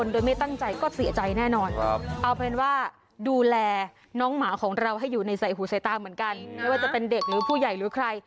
ดาวน้องหมา